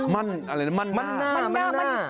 มันอะไรนะมันหน้า